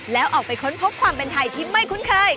แล้วออกไปค้นพบความเป็นไทยที่ไม่คุ้นเคย